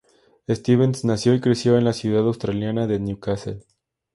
Stevens nació y creció en la ciudad australiana de Newcastle.